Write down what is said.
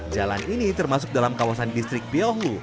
jalan ini termasuk dalam kawasan distrik biohu